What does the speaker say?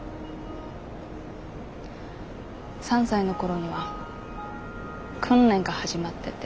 ３歳の頃には訓練が始まってて。